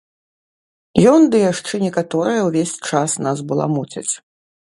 Ён ды яшчэ некаторыя ўвесь час нас баламуцяць.